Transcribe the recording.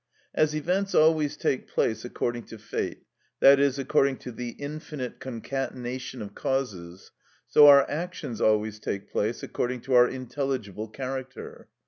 As events always take place according to fate, i.e., according to the infinite concatenation of causes, so our actions always take place according to our intelligible character.